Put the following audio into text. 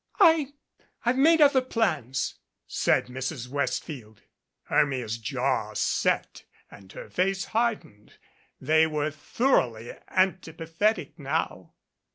"I I've made other plans," said Mrs. Westfield. Hermia's jaw set and her face hardened. They were thoroughly antipathetic now.